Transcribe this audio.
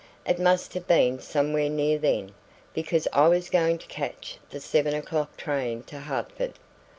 It must have been somewhere near then, because I was going to catch the seven o'clock train to Hertford.